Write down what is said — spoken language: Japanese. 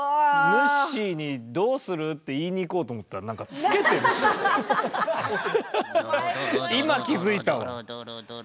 ぬっしーにどうする？って言いに行こうと思ったら何か今気付いたわ。